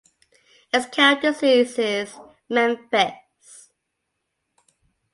Its county seat is Memphis.